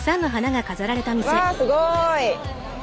わすごい。